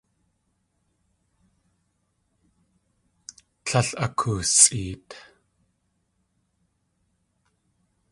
Tlél akoosʼeet.